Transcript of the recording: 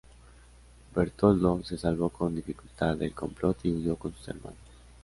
Bertoldo se salvó con dificultad del complot y huyó con sus hermanos.